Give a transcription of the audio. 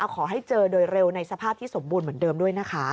ขอให้เจอโดยเร็วในสภาพที่สมบูรณ์เหมือนเดิมด้วยนะคะ